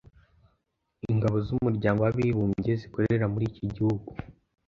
ingabo z’Umuryango w’Abibumbye zikorera muri iki gihugu